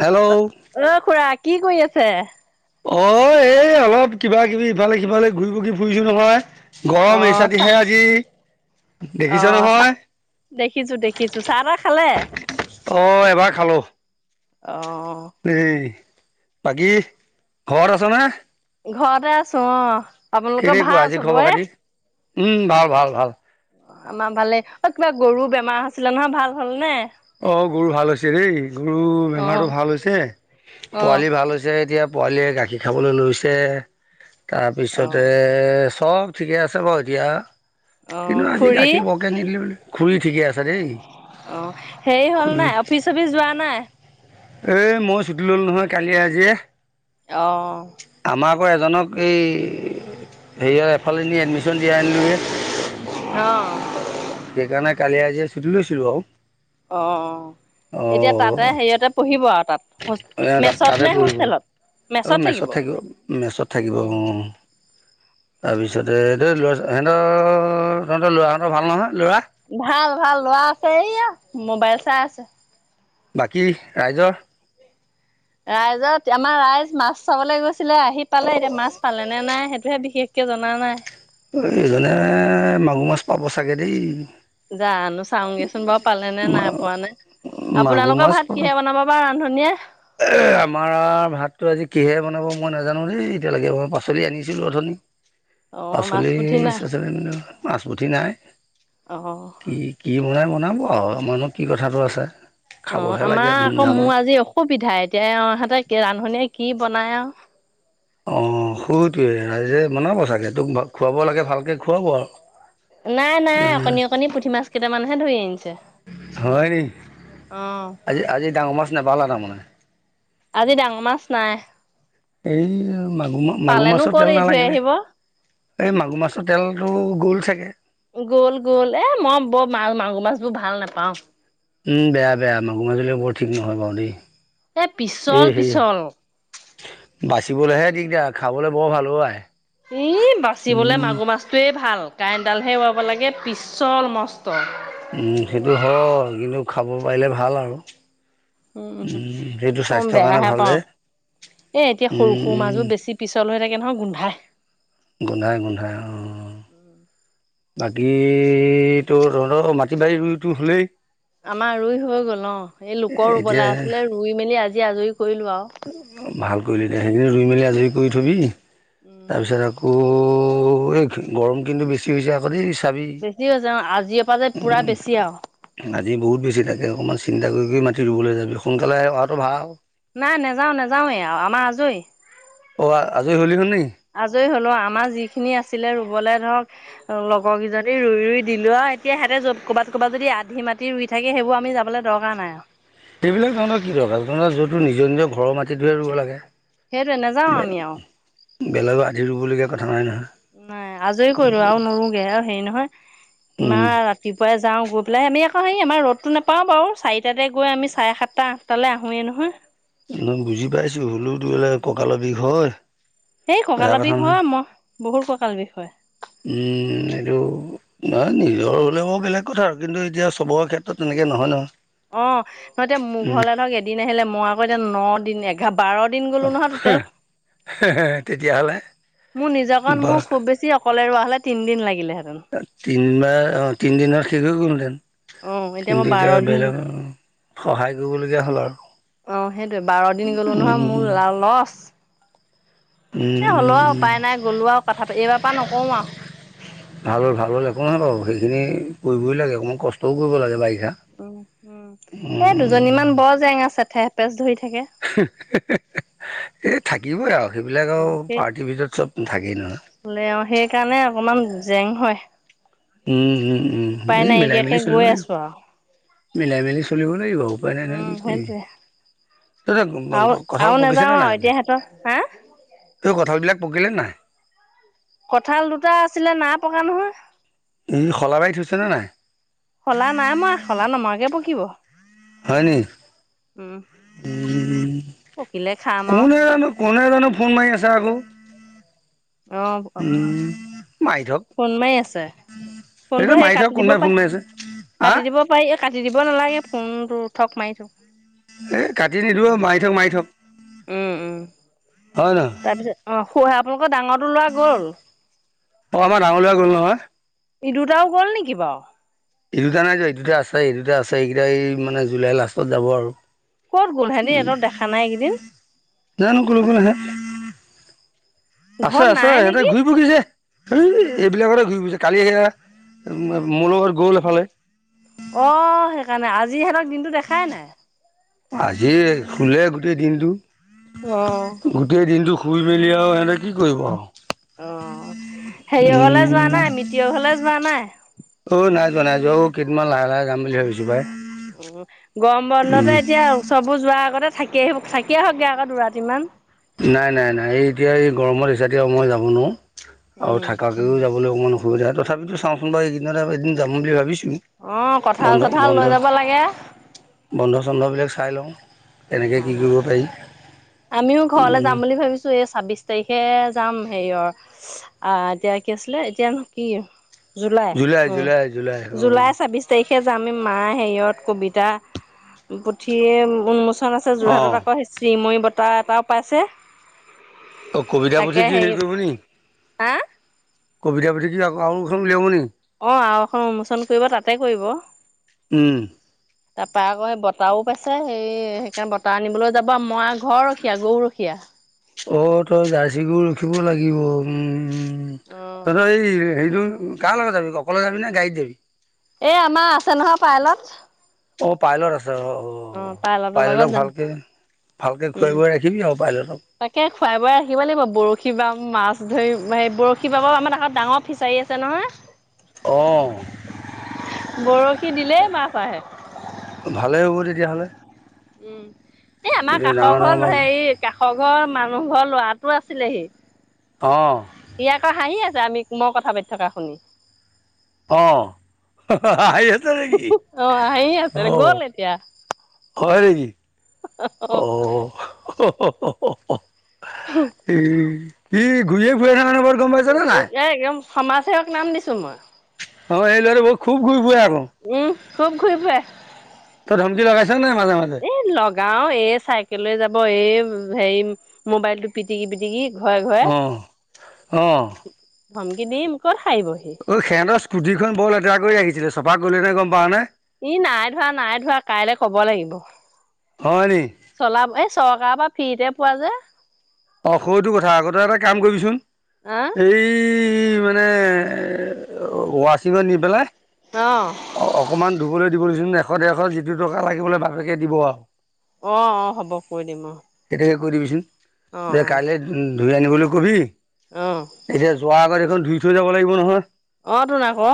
Hello অ খুৰা কি কৰি আছে অ এই অলপ কিবা কিবি ইফালে সিফালে ঘূৰি পকি ফুৰিছো নহয় অ গৰম চাহ এৰিচাটিহে আজি দেখিছ নহয় দেখিছোঁ দেখিছোঁ চাহ তাহ খালে অঁ এবাৰ খালোঁ অ এই বাকী ঘৰত আছেনে ঘৰতে আছো অ আপোনালোকে কেনেকুৱা আজি ভাল খবৰ চবৰে খাতি উম ভাল ভাল ভাল আমাৰ ভালেই অ কিবা গৰু বেমাৰ হৈছিলে নহয় ভাল হল নে অ গৰু ভাল হৈছে দেই গৰু অ বেমাৰটো ভাল হৈছে অ পোৱালি ভাল হৈছে ছে এতিয়া পোৱালীয়ে গাখীৰ খাবলৈ লৈছে অ তাৰপিছতে চব ঠিকে আছে বাৰু এতিয়া অ কিন্তু আজি খুৰী গাখীৰ বৰকৈ নিদিলে খুৰি ঠিকে আছে দেই অ হেৰি হ'ল খুৰী নাই অফিচ অফিচ যোৱা নাই এই মই ছুটি ললোঁ নহয় কালিয়ে আজিয়ে অ আমাৰ আক এজনক এই, হে আৰু এফালে নি এডমিশ্যন দিয়াই আনিলো গে। অ সেইকাৰণে কালি আজিয়ে ছুটি লৈছিলো আৰু, অ অ, এতিয়া তাতে হেৰিয়তে পঢ়িব আৰু তাত। ত মেচত তাতে নে পঢ়িব। হোষ্টেলত? অ মেচত থাকিব মেচত থাকিব অ উম তাৰপিছতে এই ল'ৰা ছ সিহঁতৰ তহঁতৰ ল'ৰাহঁতৰ ভাল নহয়, ল'ৰা ভাল ভাল লৰা আছে এইয়া, মোবাইল চাই আছে। বাকী ৰাইজৰ, ৰাইজত আমাৰ ৰাইজ মাছ চাবলৈ গৈছিলে, আহি পালে এতিয়া মাছ পালে নে নাই সেইটোহে বিশেষ কে জনা নাই, এইজনে মাগুৰ মাছ পাব চাগে দেই, জানো চাওঁগেচোন বাৰু পালে নে নাই পোৱা নে মাগুৰ আপোনালোকৰ মাছ ভাত পাব কিহে বনাব, তোমাৰ ৰান্ধনীয়ে? আমাৰ ভাতটো আজি কিহে বনাব মই নাজানো দেই এতিয়ালৈকে, মই পাচলি আনিছিলো অথনি অ' মাছ পাচলি পুঠি নাই চাচলি আনিলো, মাছ পুঠি নাই অ'। কি বনাই বনাব আৰু, আমাৰনো কি কথাটো আছে। অ খাবহে লাগে আমাৰ আকৌ ধুমধাম আৰু মোৰ আজি অসুবিধা এতিয়া এওহঁতে ৰান্ধনীয়ে কি বনাই আৰু, অ শুইটোৱে ৰাইজে বনাব চাগে তোক খুৱাব লাগে ভালকে খুৱাব আৰু, নাই নাই অকণি অকণি পুঠি মাছ কেইটামানহে ধৰি আনিছে। হয় নি অ আজি আজি ডাঙৰ মাছ নেপালে তাৰমানে, আজি ডাঙৰ মাছ নাই। এই মাগুৰ মাগুৰ পালেনো মাছৰ ক'ত তেল এৰি থৈ নালাগিলে। আহিব। এই মাগুৰ মাছৰ তেলটো গ'ল চাগে, গ'ল গ'ল এ মই বৰ মা মাগুৰ মাছ বোৰ ভাল নাপাও, উম বেয়া বেয়া মাগুৰ মাছ বিলাক বৰ ঠিক নহয় বাৰু দেই, এ পিছল এই হেৰি পিছল। বাচিবলৈহে দিগদাৰ খাবলৈ বৰ ভাল অ আই, ই বাচিবলৈ উম, মাগুৰ মাছ, টোৱেই ভাল কাইটডালহে এৰুৱাব লাগে পিছল মষ্ট, উম সেইটো হয়, কিন্তু খাব পাৰিলে ভাল আৰু উম সেইটো মই স্বাস্থ্যৰ কাৰণে বেয়াহে ভাল যে পাওঁ এ এতিয়া সৰু উম, সৰু মাছ উম, বোৰ বেছি, পিছল হৈ থাকে নহয় গোন্ধাই, গোন্ধাই গোন্ধাই অঁ, [inaudible] বাকীতো তো তহতৰ মাটি বাৰী ৰুইটো হ'লেই, আমাৰ ৰুই হৈ গ'ল অ, এই লোকৰ এতিয়া ৰুবলৈ আছিলে ৰুই মেলি আজি আজৰি কৰিলোঁ আৰু ভাল কৰিলে দে সেইখিনি ৰুই মেলি আজৰি কৰি থবি উম। তাৰপিছত আকৌ, ত এই গৰম কিন্তু বেছি হৈছে আকৌ দেই, চাবি বেছি হৈছে অ, আজিৰ পৰা যে পুৰা বেছি আৰু আজি বহুত বেছি তাকে, অকণমান চিন্তা কৰি উম। মাটি ৰুবলৈ যাবি সোনকালে অহাটো ভাল। নাই নাযাওঁ নাযাওঁৱেই আউ, আমাৰ আজৰি। অ আজৰি হ'লি হনি। আজৰি হলো আমাৰ যিখিনি আছিলে ৰুবলে ধৰক, অ লগৰ কেইজনী ৰুই-ৰুই দিলো আৰু এতিয়া সিহঁতে ক'ৰবাত-ক'ৰবাত যদি আধি মাতি ৰুই [unintelligible] থাকে সেইবোৰ আমি যাবলৈ দৰকাৰ নাই আৰু। [inaudible] সেইবিলাক তহঁতৰ কি দৰকাৰ [inaudible] য'তটো আৰু নিজৰ-নিজৰ ঘৰৰ মাটিটোহে ৰুব লাগে। সেইটোৱে নাযাওঁ আমি আৰু। [inaudible] বেলেগত আধি ৰুবলগীয়া কথা নাই নহয়। [inaudible] নাই আজৰি কৰিলো আৰু। আৰু নোৰুগে আৰু হেৰি নহয় ইমান উম, ৰাতি [inaudible] ৰাতিপুৱাই যাওঁ গৈ পেলাই আমি আকৌ হেৰি আমাৰ ৰ'দটো নাপাওঁ বাৰু চাৰিটাতে গৈ আমি চাৰে সাতটা, আঠটালৈ আহোৱেই নহয়। [inaudible] মই বুজি পাইছো হলেওতো বোলে কঁকালৰ বিষ হয়। [unintelligible] এই বেয়া কঁকালৰ কথা বিষ নহয় হয়, মই বহুত কঁকাল বিষ হয়। [unintelligible] উম! সেইটো [unintelligible] নহয় নিজৰ হলেও বেলেগ কথা আৰু কিন্তু এতিয়া চবৰ ক্ষেত্ৰত তেনেকে নহয়-নহয়। [unintelligible] অঁ! নহয় এতিয়া মোৰ ঘৰলে ধৰক এদিন আহিলে মই আকৌ এতিয়া ন দিন [unintelligible] [inaudible] বাৰ দিন গ'লোঁ নহয় টোটেল। তেতিয়াহ'লে মোৰ নিজৰ কণ বা মোৰ খুব বেছি [inaudible] অকলে ৰোৱা হ'লে তিনদিন লাগিলেহেঁতেন। [unintelligible] তিনবাৰ অঁ তিনদিনত শেষ হৈ গ'ল হেঁতেন। অ', [unintelligible] [unintelligible] মই কিন্তু বাৰ এতিয়া দিন বেলেগক সহায় কৰিবলগীয়া হ'ল আৰু। অঁ! সেইটোৱেই বাৰ দিন গলো নহয় মোৰ লা লচ। এ হ'লো আৰু উপাই নাই গ'লো আৰু কথা পাতি এইবাৰ পৰা নকওঁ আৰু। [unintelligible] ভাল হ'ল, ভাল হ'ল একো নহয় বাৰু সেইখিনি কৰিবই লাগে। অকণমান কষ্টও কৰিব লাগে বাৰিষাত। [unintelligible] উম-উম! এ দুজনীমান বৰ জেঙ আছে ঠেহ পেচ ধৰি থাকে। [unintelligible] [inaudible] এই থাকিবই আৰু সেইবিলাক আৰু পাৰ্টিৰ ভিতৰত চব থাকেই নহয়। হলেও আৰু সেইকাৰণে অকমান জেং হয়। [unintelligible] উম-উম-উম! উপায় এই মিলাই নাইকিয়াকে মেলি চলিব গৈ লাগিব। আছো আৰু মিলাই মেলি চলিব লাগিব আৰু। [inaudible] [unintelligible] উপাই নাই নহয় উম, কি কৰিবি। সেইটোৱে। আৰু তহঁতৰ কঠাল আৰু পকিছেনে নাযাওঁ আৰু নাই? [inaudible] এতিয়া সিহঁতৰ হা [inaudible] কঠালবিলাক পকিলে নে নাই? কঁঠাল দুটা আছিলে নাই পকা নহয়। [inaudible] ই শলাবাৰি থৈছেনে নাই? [unintelligible] শলা নাই মৰা, শলা নমৰাকে পকিব। [inaudible] হয় নি? উম, পকিলে খাম [inaudible] আৰু। কোনো হয় জানো? কোনে হয় জানো ফোন মাৰি আছে আকৌ। [unintelligible] অঁ! [inaudible] উম, মাৰি থক, ফোন মাৰি আছে? এইটো ফোনটো সেই মাৰি থক কাটি দিব কোনোবাই ফোন পাই, মাৰি আছে। হা? কাটি দিব [inaudible] পাৰি কাটি দিব নালাগে ফোনটো ঠক মাৰি থাক [inaudible] এই কাটি নিদো মাৰি থক, মাৰি থক। [unintelligible] উম-উম! হয় নহয়? তাৰপিছত অ [inaudible] আপোনালোকৰ ডাঙৰটো লৰা গ'ল? অঁ! আমাৰ ডাঙৰ লৰা গল নহয়। [inaudible] সি দুটাও গ'ল নেকি বাৰু? [inaudible] ই দুটা নাই যোৱা। ই দুটা আছে, ই দুটা আছে এইকেইটা এই মানে জুলাই লাষ্টত যাব আৰু। [inaudible] ক'ত গ'ল সিহঁতি ইহঁতক দেখা নাই এইকেইদিন? [inaudible] জানো কলৈ গ'ল ইহেঁত। [inaudible] ঘৰত আছে-আছে নাই সিহঁতে নেকি ঘূৰি ফুৰিছে। [unintelligible] এই এইবিলাকতে ঘূৰি ফুৰিছে। কালি এইয়া মোৰ লগতে গ'ল এফালে। [inaudible] অঁ! সেইকাৰণে আজি সিহঁতক দিনটো দেখাই নাই। [inaudible] আজি শুলে গোটেই দিনটো। [inaudible] অহ। গোটেই দিনটো শুই মেলি আৰু এনেই কি কৰিব আৰু। অহ', হেৰিয় ঘলে যোৱা উম নাই, মিটয় ঘলে যোৱা নাই? অ নাই যোৱা, নাই যোৱা অ, কেইদমান লাহে-লাহে যাম বুলি ভাবিছো পাই। গৰম বন্ধতে উম এতিয়া- চবো যোৱাৰ আগতে থাকিয়েই, থাকিয়ে আহক গৈ আকৌ দুৱাতিমান? নাই-নাই-নাই। এই এতিয়া এই গৰমত হিচাতি মই যাব নোৱাৰো আৰু উম থাকা- মোৰো যাবলৈ অকণ অসুবিধা হয়, তথাপিতো চাওঁচোন বাৰু এইকেইদিনত এদিন যাম বুলি ভাবিছোঁ। অঁহ', কঁঠাল-চঠাল লৈ যাব লাগে। বন্ধ-চন্ধবিলাক চাই লওঁ কেনেকৈ অ কি কৰিব পাৰি। আমিও ঘৰলৈ যাম বুলি ভাবিছো এই ছাব্বিশ তাৰিখে যাম হেৰিয়ৰ- আহ', এতিয়া কি আছিলে, এতিয়া কি, জুলাই জুলাই জুলাই উমঁ অঁ জুলাই চাব্বিশ- তাৰিখে যাম মাঁ হেৰিয়ত কবিতা পুথিয়ে উন্মোচনত- আছে। যোৰহাটত অ', আকৌ শ্ৰীময়ী বতাহ এটাও পাইছে। অসুবিধা বুলি কি হেৰি কৰিব নেকি? হা কবিতা পুথি কি আৰু এখন উলিয়াব নেকি। অঁহ', আৰু এখন উন্মোচন কৰিব তা'তে কৰিব। উম, তাৰপৰা আকৌ এই বতাহও পাইছে সেই সেইকাৰণে বতাহ আনিবলৈ যাব, মই ঘৰ ৰখিয়া, গৰু ৰখিয়া। অ তই জাৰ্চি গৰু ৰখিব লাগিব উমঁ। অ ত' তই এই হেৰিটো কাৰ লগত যাবি অকলে যাবি নে গাড়ীত যাবি? এই আমাৰ আছে নহয় পাইলট। অহ', -পাইলট আছে অ। অঁহ', পাইলতৰ লগত -পাইলটক যাম ভালকৈ, ভালকৈ উম খুৱাই-বুৱাই ৰাখিবি আৰু পাইলটক। তাকে খুৱাই-বোৱাই ৰাখিব লাগিব। বৰশী বাম, মাছ ধৰিম, বৰশী বাবৰ আমাৰ ডাঙৰ ফিচাৰী আছে। অ', নহয়, বৰশী দিলেই মাছ আহে। ভালেই হ'ব তেতিয়াহ'লে। উম, এই আমাৰ তেতিয়া কাষৰ ডাঙৰ ডাঙৰ ঘৰ, মাছ হেৰি কাষৰ ঘৰৰ, মানুহ ঘৰ ল'ৰাটো আছিলেহি। অঁহ। ই আকৌ হাঁহি আছে আমি মই কথা পাতি থকা শুনি। অঁহ', - হাহিঁ আছে নেকি অ হাঁহি আছে অঁহ। গ'ল এতিয়া হয় নেকি। অ অহ', -। ই কি ঘূৰিয়ে ফুৰে ইমান বৰত গম পাই। এই একদম সমাজসেৱক নাম দিছো মই। অ এই ল'ৰাটো খুব ঘূৰি ফুৰে আকৌ। উমঁ, খুব ঘূৰি ফুৰে। তই ধমকি লগাইছ নাই মাজে-মাজে? এই লগাও, এই চাইকেল লৈ যাব, এই হেৰি মোবাইলটো পিটিকি-পিটিকি। ঘৰে-ঘৰে অ অ ধমকি দিম ক'ত সাৰিবি। অ সিহঁতৰ স্কুটীখন বৰ লেতেৰা কৰি আহিছিলে, চফা কৰিলে নে গম পাওঁ নে? ই নাই ধোৱা, নাই ধোৱা কাইলে ক'ব লাগিব। হয় নি? চলাই ফূৰে, এই চৰকাৰৰ পৰা ফ্ৰীতে পোৱা যে। অহ', সেইটো কথা আকৌ আগতে এটা কাম কৰিবিচোন আ এই মানে- মানে ৱাচিংত নি পেলাই- অঁহ। অ' অকণমান ধুবলৈ দিবচোন এশ, ডেৰশ যিটো টকা লাগিবলৈ বাপেকে দিব আৰু। অ, অ, হ'ব, কৈ দিম অ, এতিয়া হেৰি কৰি দিবিচোন। অ যে, অ কাইলৈ ধুই আনিবলৈ কবি, অ এতিয়া যোৱাৰ আগত এইখন ধুই থৈ যাব লাগিব নহয়। অ, টোন আকৌ।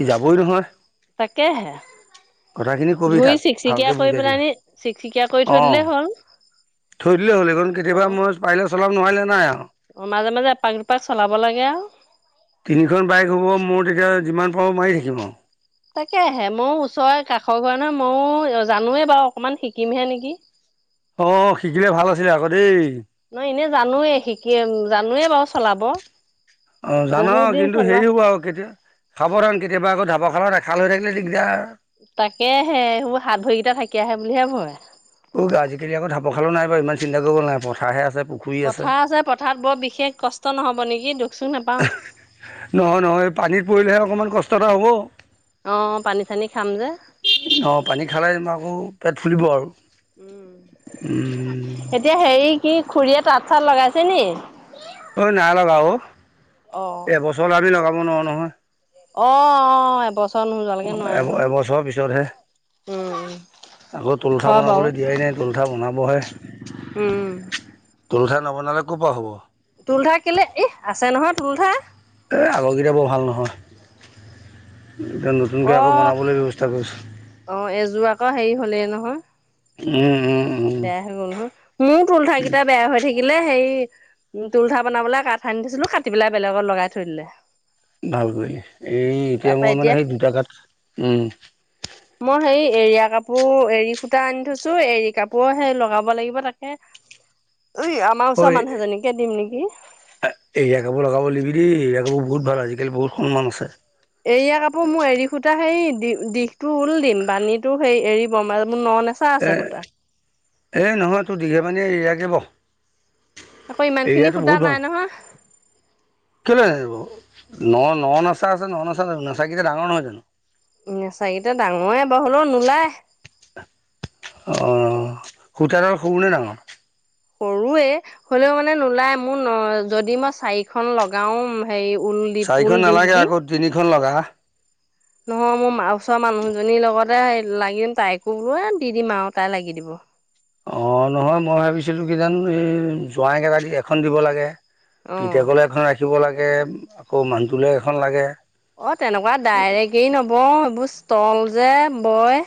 ই, যাবই নহয়। তাকেহে। কথাখিনি কবি ধুই, তাক চিকচিকিয়া ভালকে কৰি বুজাই পালে দিবি আনি, চিকচিকিয়া কৰি থৈ অঁ দিলেই হ'ল। থৈ দিলেই হ'ল, এইখন অ কেতিয়াবা মই পাৰিলে চলাম নোৱাৰিলে নাই আৰু। অ, মাজে, মাজে এপাক- দুপাক চলাব লাগে আৰু। তিনিখন বাইক হ'ব মোৰ, তেতিয়া যিমান পাৰোঁ মাৰি থাকিম আৰু। তাকেহে ময়ো ওচয়ে, কাষৰ ঘৰ নহয় ময়ো জানোৱেই বাৰু, অকণমান শিকিম হে নেকি। অ, শিকিলে ভাল আছিলে, আকৌ দেই। ন, এনেই জানোৱে শিকিম, জানোৱে বাৰু চলাব। অ, জানা বহুত দিন কিন্তু চলোৱা হেৰি হ'ব আৰু কেতিয়া সাৱধান কেতিয়াবা আকৌ ধাবৰ খালত, এখাল হৈ থাকিলে দিগদাৰ। তাকে হে, সবোৰ হাত ভৰি কেইটা থাকি আহে বুলিহে, ভয়। অ, আজিকালি আক, ঢাপ খালো নাই বাৰু ইমান চিন্তা কৰিব নাই পথাৰহে আছে। পথাৰ আছে, পথাৰত বৰ বিশেষ কষ্ট নহ'ব নেকি, দুখ-চুখ নাপাওঁ। নহয়, নহয়, পানীত পৰিলেহে অকণমান কষ্ট এটা হ'ব। অ, পানী-চানী খাম যে। অ, পানী খালে যেনিবা আকৌ, পেট ফুলিব আৰু। উম, এতিয়া হেৰি উম, কি খুৰীয়ে তাঁত-চাত লগাইছে নি। অ, নাই লগা অ, অ এবছৰ আমি লগাব নোৱাৰোঁ নহয়। অ, অ, এবছ অ, এব, এবছৰ পিছতহে। উম হয় আকৌ তুলঠা, বাৰু বনাবলৈ দিয়াই নাই, তুলচা বনাবহে। উম, তুলঠা নবনালে ক'ৰ পা হ'ব? তুলঠা কেলেই, ইহ, আছে নহয় তুলঠা। এই আগৰকেইটা বৰ ভাল নহয়, এতিয়া নতুনকৈ অ আকৌ বনাবলৈ ব্যৱস্থা কৰিছোঁ। অ, এযোৰ আকৌ হেৰি হ'লেই নহয়। উম, উম, উম, বেয়া হৈ গ'ল নহয়, মোৰ তুলঠা কিটা বেয়া হৈ থাকিলে হেই, উম, তুলঠা বনাবলে কাঠ আনি দি থৈছিলো, কাটি পেলাই বেলেগত লগাই থৈ দিলে। ভাল কৰিলি, এই তাৰ এতিয়া পৰা মই মানে সেই দুটা কাঠ উম, মই সেই এৰীয়া কাপোৰ, এৰী সূতা আনি থৈছো, এৰী কাপোৰো সেই লগাব লাগিব তাকে। উই, আমাৰ ওচৰৰ মানুহ এজনীকে দিম নেকি। এৰিয়া কাপোৰ লগাব দিবি দেই, এৰিয়া কাপোৰ বহুত ভাল, আজিকালি বহুত সন্মান আছে। এৰিয়া কাপোৰ মোৰ এৰি সূতা সেই, দি- দীঘটো ওল দিম বানীতো সেই এৰি বম আৰু মোৰ ন, নচা এই, এই, নহয় তোৰ দীঘে বানীয়ে এৰিয়াকে ব আকৌ ইমান খিনি এৰিয়াতো সূতা বহুত নাই ভাল। নহয় কেলে নাটিব ন, নচা আছে ন, নচা নাচাকেইটা ডাঙৰ নহয় জানো। নেচাকেইটা ডাঙৰে বাও, হ'লেও নোলায়। অ, সূতাডাল সৰুনে ডাঙৰ? সৰুৱে হ'লেও মানে নোলাই মোৰ ন যদি মই চাৰিখন লগাও হেৰি ঊল দি ঊল চাৰিখন দিশ নালাগে দি আকৌ তিনিখন লগা নহয় মোৰ ওচৰ মানুহজনীৰ লগতে লাগিম তাইকো বোলো এ দি দিম আৰু তাই লাগি দিব অঁ নহয় মই ভাবিছিলোঁ কিজানি এই জোঁৱাইকেইটা দি এখন দিব লাগে অ পিতেকলে এখন ৰাখিব লাগে আকৌ মানুহটোলৈ এখন লাগে অ তেনেকুৱা ডাইৰেক্ট এৰি নবয় এইবোৰ ষ্টল যে বয়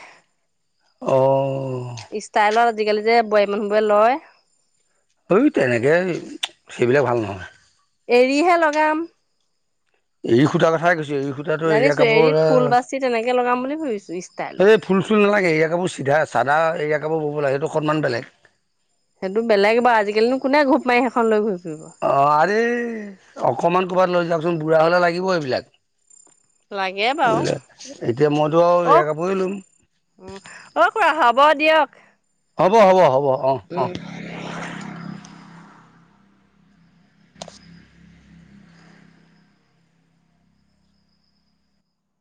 অঁ, ষ্টাইলত আজিকালি যে বোৱাৰী মানুহ বোৰে লয়, [unintelligible] তেনেকৈ সেইবিলাক ভাল নহয়! এৰিহে লগাম! এৰী সূতা কথাই কৈছো এৰি সু, জানিছো এৰিত ফুল বাচি তেনেকে লগাম বুলি ভাবিছো এই ষ্টাইলত, ফুল চুল নালাগে এৰীয়া কাপোৰ চি চাদা এৰিয়া কাপোৰ ব'ব লাগে সেইটো অকণমান বেলেগ, সেইটো বেলেগ বাৰু আজিকালিনো কোনে ঘোপ মাৰি এখন লৈ ঘূৰি ফৰিব! অঁ আৰে অকণমান ক'ৰবাত লৈ যাওকচোন বুঢ়া হ'লে লাগিব এইবিলাক, লাগে বাৰু এইবিলাক এতিয়া মইতো এৰীয়া কাপোৰে লম, উ অ খুৰা হ'ব দিয়ক হ'ব হ'ব হ'ব অ অ উম